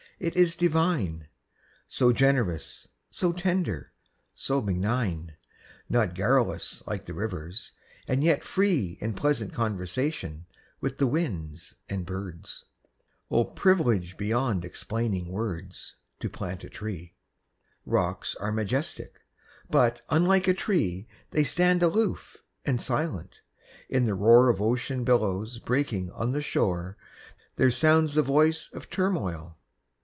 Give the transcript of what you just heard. It is divine. So generous, so tender, so benign. Not garrulous like the rivers; and yet free In pleasant converse with the winds and birds; Oh! privilege beyond explaining words, To plant a tree. Rocks are majestic; but, unlike a tree, They stand aloof, and silent. In the roar Of ocean billows breaking on the shore There sounds the voice of turmoil.